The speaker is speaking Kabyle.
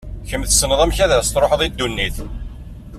Kemm tessneḍ amek ad as-tṛuḥeḍ i ddunit.